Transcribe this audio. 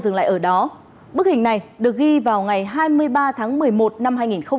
dừng lại ở đó bức hình này được ghi vào ngày hai mươi ba tháng một mươi một năm hai nghìn một mươi chín